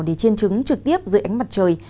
để chiên trứng trực tiếp dưới ánh mặt trời